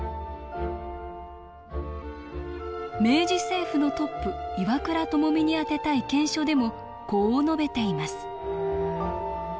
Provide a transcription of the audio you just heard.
明治政府のトップ岩倉具視に宛てた意見書でもこう述べています